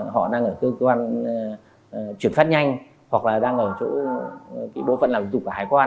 họ đang ở cơ quan chuyển phát nhanh hoặc là đang ở chỗ bộ phận làm thủ tục và hải quan